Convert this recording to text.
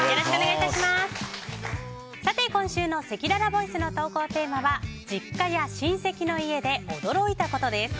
今週のせきららボイスの投稿テーマは実家や親戚の家で驚いたことです。